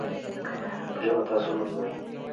په ژبه تعصب مه کوئ.